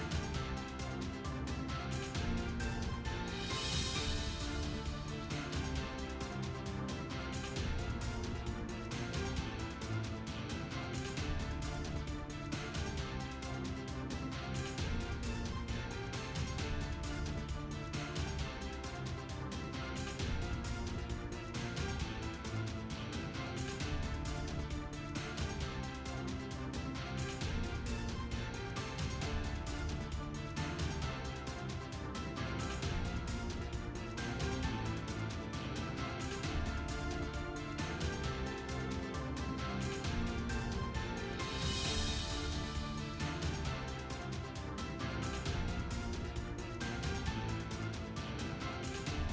terima kasih pak soni